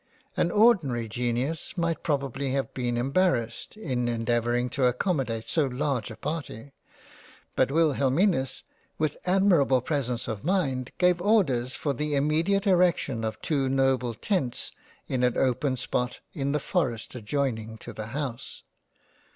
— An ordinary Genius might probably have been embarrassed, in endeavouring to accomodate so large a party, but Wilhelminus with admirable presence of mind gave orders for the imme diate erection of two noble Tents in an open spot in the Forest adjoining to the house.